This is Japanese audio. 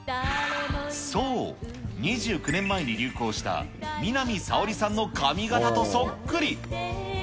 そう、２９年前に流行した南沙織さんの髪形とそっくり。